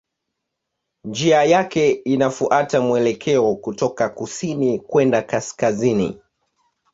Njia yake inafuata mwelekeo kutoka kusini kwenda kaskazini.